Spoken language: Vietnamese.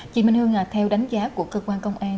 chị minh hương theo đánh giá của cơ quan công an